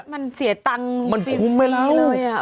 มันเสียตังค์ฟรีเลยอะมันคุ้มไม่แล้ว